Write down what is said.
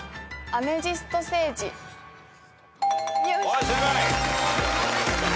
はい正解。